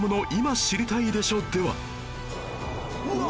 うわ！